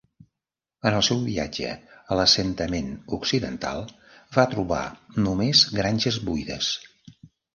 En el seu viatge a l'Assentament Occidental, va trobar només granges buides.